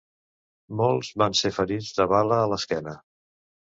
Molts van ser ferits de bala a l'esquena.